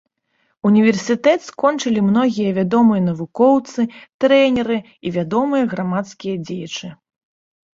Універсітэт скончылі многія вядомыя навукоўцы, трэнеры і вядомыя грамадскія дзеячы.